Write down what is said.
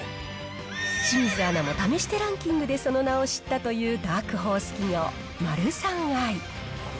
清水アナも試してランキングでその名を知ったというダークホース企業、マルサンアイ。